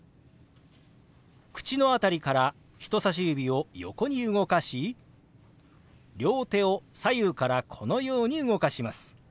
口の辺りから人さし指を横に動かし両手を左右からこのように動かします。